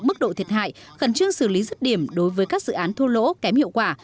mức độ thiệt hại khẩn trương xử lý rứt điểm đối với các dự án thua lỗ kém hiệu quả